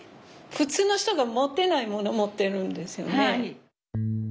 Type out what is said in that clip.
普通の人が持ってないもの持ってるんですよね。